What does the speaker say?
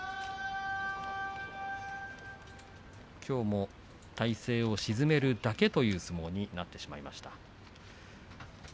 きょうも体勢を沈めるだけという相撲になってしまいました。